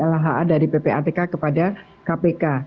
yang sudah dari lha dari ppatk kepada kpk